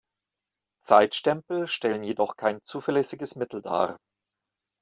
Zeitstempel stellen jedoch kein zuverlässiges Mittel dar.